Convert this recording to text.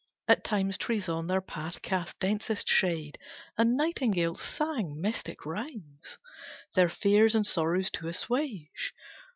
At times Trees on their path cast densest shade, And nightingales sang mystic rhymes Their fears and sorrows to assuage.